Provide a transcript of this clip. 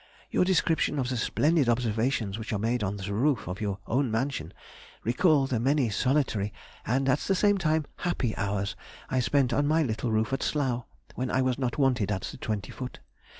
Your description of the splendid observations which are made on the roof of your own mansion, recall the many solitary and, at the same time, happy hours I spent on my little roof at Slough, when I was not wanted at the twenty foot.